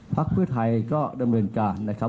พักเพื่อไทยก็ดำเนินการนะครับ